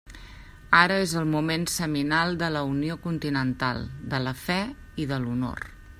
Ara és el moment seminal de la unió continental, de la fe i de l'honor.